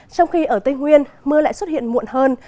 trong khi ở tây nguyên mưa lại xuất hiện muộn hơn